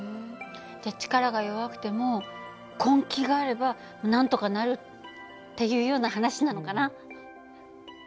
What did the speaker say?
じゃ力が弱くても根気があればなんとかなるっていうような話なのかな。